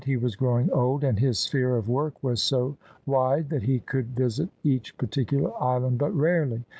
He was growing old; and his sphere of work was so wide that he could visit each particular island but rarely.